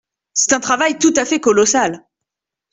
C’est un travail tout à fait colossal.